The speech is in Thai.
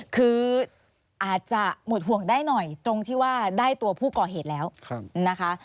คืออาจจะหมดห่วงได้หน่อยตรงที่ว่าได้ตัวผู้ก่อเหตุแล้วนะคะ